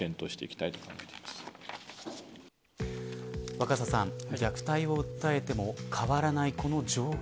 若狭さん虐待を訴えても変わらない状況。